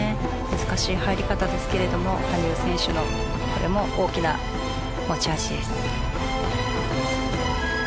難しい入り方ですけれども羽生選手のこれも大きな持ち味です。